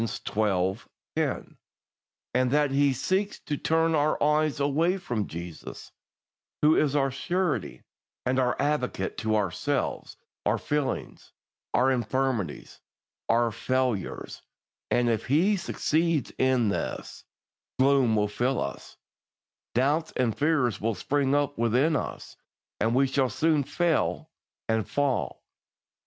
10), and that he seeks to turn our eyes away from Jesus, who is our Surety and our Advocate, to ourselves, our feelings, our infirmities, our failures; and if he succeeds in this, gloom will fill us, doubts and fears will spring up within us, and we shall soon fail and fall.